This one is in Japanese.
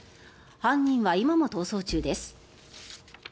犯人は今も逃走中です。